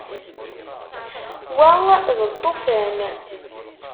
Wa d lṭufan.